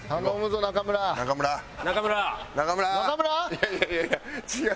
いやいやいやいや違う。